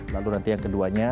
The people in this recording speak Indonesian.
lalu nanti yang keduanya